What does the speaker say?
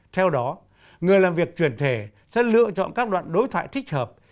theo đó người làm việc truyền thể sẽ lựa chọn các đoạn đối thoại thích hợp